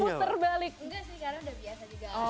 enggak sih karena sudah biasa juga